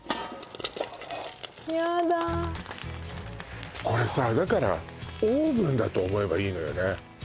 ヤダこれさだからオーブンだと思えばいいのよね